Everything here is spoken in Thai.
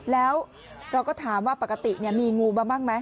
แล้วเราก็ถามว่าปกติมีงูมาบ้างไหม